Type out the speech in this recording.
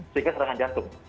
sehingga serangan jantung